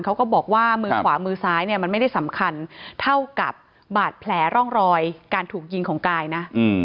เขาก็บอกว่ามือขวามือซ้ายเนี่ยมันไม่ได้สำคัญเท่ากับบาดแผลร่องรอยการถูกยิงของกายนะ